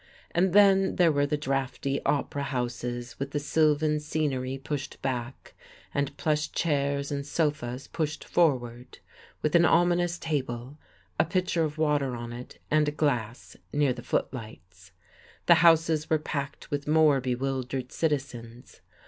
And then there were the draughty opera houses with the sylvan scenery pushed back and plush chairs and sofas pushed forward; with an ominous table, a pitcher of water on it and a glass, near the footlights. The houses were packed with more bewildered citizens.